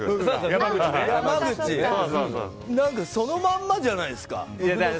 そのままじゃないですか。